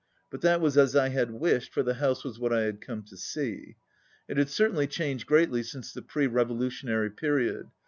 But that was as I had wished, for the house was what I had come to see. It had certainly changed greatly since the pre revolutionary period.